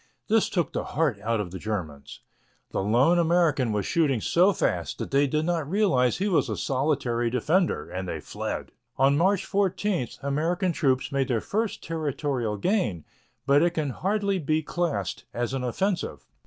This took the heart out of the Germans. The lone American was shooting so fast that they did not realize he was a solitary defender, and they fled. On March 14 American troops made their first territorial gain, but it can hardly be classed as an offensive.